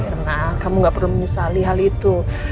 karena kamu gak perlu menyesali hal itu